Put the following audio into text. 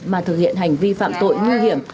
mà thực hiện hành vi phạm tội nguy hiểm